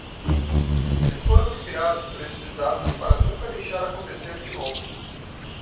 Eles foram inspirados por esse desastre para nunca deixar acontecer de novo.